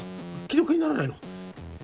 既読にならないの。